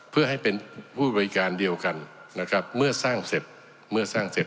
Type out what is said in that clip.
เพื่อให้เป็นผู้บริการเดียวกันนะครับเมื่อสร้างเสร็จเมื่อสร้างเสร็จ